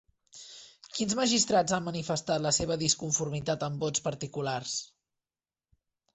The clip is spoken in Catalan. Quins magistrats han manifestat la seva disconformitat amb vots particulars?